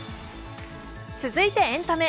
続いてエンタメ。